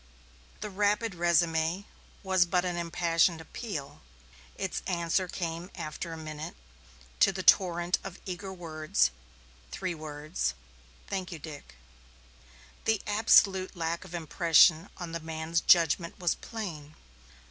The rapid résumé was but an impassioned appeal. Its answer came after a minute; to the torrent of eager words, three words: "Thank you, Dick." The absolute lack of impression on the man's judgment was plain.